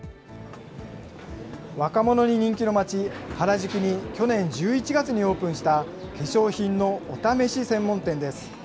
若者に人気の街、原宿に去年１１月にオープンした化粧品のお試し専門店です。